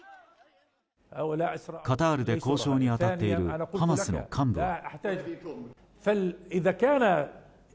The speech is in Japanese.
カタールで交渉に当たっているハマスの幹部は。